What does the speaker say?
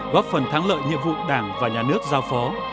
góp phần thắng lợi nhiệm vụ đảng và nhà nước giao phó